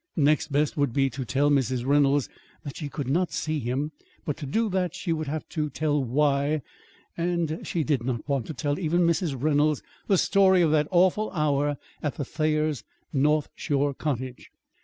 Next best would be to tell Mrs. Reynolds that she could not see him; but to do that, she would have to tell why and she did not want to tell even Mrs. Reynolds the story of that awful hour at the Thayers' North Shore cottage.